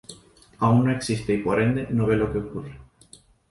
Aún no existe y por ende no ve lo que ocurre.